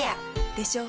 でしょ？